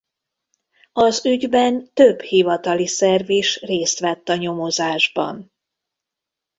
Az ügyben több hivatali szerv is részt vett a nyomozásban.